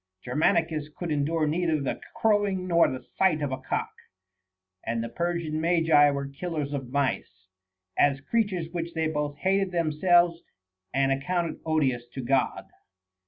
Germanicus could endure neither the crowing nor the sight of a cock ; and the Per sian Magi were killers of mice, as creatures which they both hated themselves and accounted odious to God.